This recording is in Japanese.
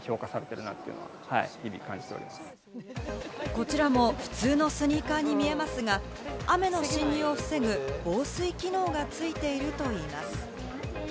こちらも普通のスニーカーに見えますが、雨の侵入を防ぐ防水機能が付いているといいます。